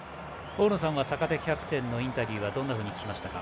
大野さんは坂手キャプテンのインタビューどんなふうに聞きましたか。